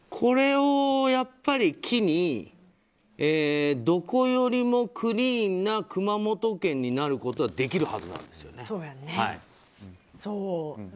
やっぱり、これを機にどこよりもクリーンな熊本県になることはできるはずなんですよ。